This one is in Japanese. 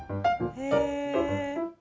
へえ。